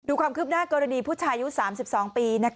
ดูความคืบหน้ากรณีผู้ชายยุทธ์๓๒ปี